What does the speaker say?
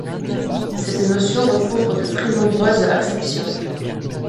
Cette notion recouvre de très nombreuses acceptions.